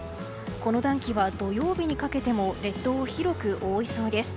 この暖気は土曜日にかけても列島を広く覆いそうです。